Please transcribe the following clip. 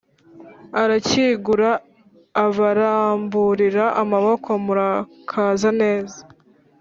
arakingura, abaramburira amaboko murakaza neza.